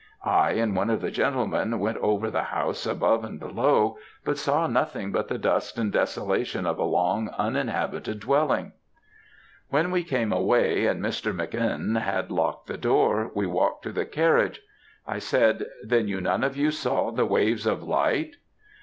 I and one of the gentlemen went over the house above and below, but saw nothing but the dust and desolation of a long uninhabited dwelling. "When we came away, and Mr. Mc. N. had locked the door, we walked to the carriage. I said, 'then you none of you saw the waves of light.'